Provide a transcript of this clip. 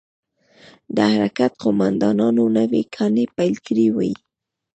د حرکت قومندانانو نوې کانې پيل کړې وې.